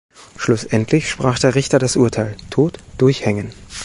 Schlussendlich sprach der Richter das Urteil: Tod durch Hängen.